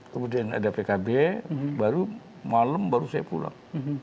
kemudian ada pkb baru malam baru saya pulang